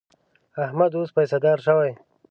احمد اوس پیسهدار شوی.